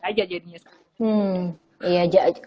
aja jadinya saya